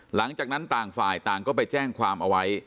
หลังจากนั้นต่างฝ่ายต่างก็ไปแจ้งความเอาไว้